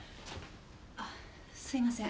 あっすいません。